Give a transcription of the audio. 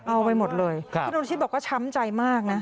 เอาไปหมดเลยคุณอนุชิตบอกว่าช้ำใจมากนะ